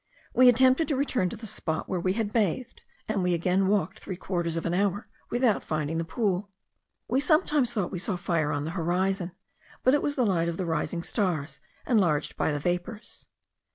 We attempted to return to the spot where we had bathed, and we again walked three quarters of an hour without finding the pool. We sometimes thought we saw fire on the horizon; but it was the light of the rising stars enlarged by the vapours.